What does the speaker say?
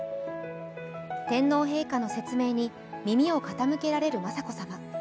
天皇陛下の説明に耳を傾けられる雅子さま。